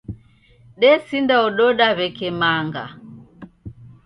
Desindaododa w'eke manga.